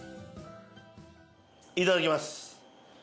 いただきます。